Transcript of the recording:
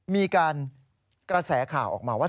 มีการกระแสข่าวออกมาว่า